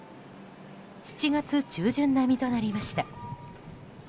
７月中旬並みとなりました。